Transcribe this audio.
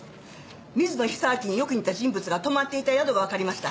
水野久明によく似た人物が泊まっていた宿がわかりました。